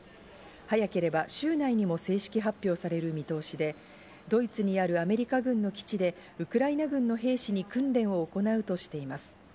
早ければ週内にも正式発表される見通しで、ドイツにあるアメリカ軍の基地でウクライナ軍の兵士に訓練を行うとしています。